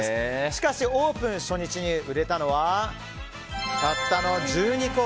しかしオープン初日に売れたのはたったの１２個。